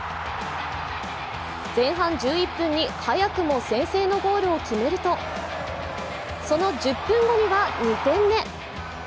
前半１１分には早くも先制のゴールを決めるとその１０分後には、２点目。